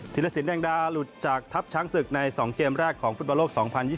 รสินแดงดาหลุดจากทัพช้างศึกใน๒เกมแรกของฟุตบอลโลก๒๐๒๐